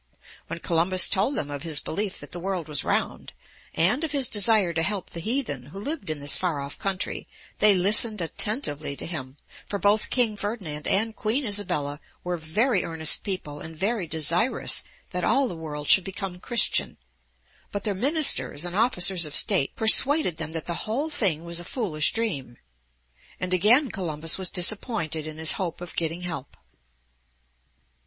When Columbus told them of his belief that the world was round, and of his desire to help the heathen who lived in this far off country, they listened attentively to him, for both King Ferdinand and Queen Isabella were very earnest people and very desirous that all the world should become Christian, but their ministers and officers of state persuaded them that the whole thing was a foolish dream; and again Columbus was disappointed in his hope of getting help.